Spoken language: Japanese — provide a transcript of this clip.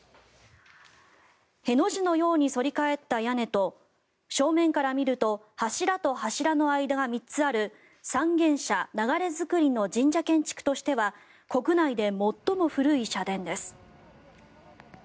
「へ」の字のように反り返った屋根と正面から見ると柱と柱の間が３つある三間社流造の神社建築としては国内で最も古い社殿です。